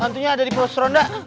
hantunya ada di prostoronda